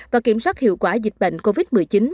và kiểm soát hiệu quả dịch bệnh covid một mươi chín